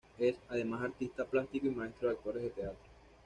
Es, además, artista plástico y maestro de actores de teatro.